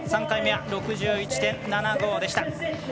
３回目は６１．７５でした。